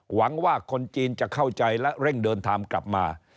หวังว่าคนจีนจะเข้าใจและเร่งเดินทางกลับมา